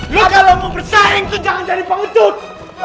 lo kalau mau bersaing tuh jangan jadi pengutuk